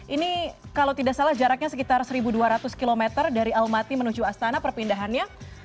ini kalau tidak salah jaraknya sekitar seribu dua ratus km dari almaty menuju astana perpindahannya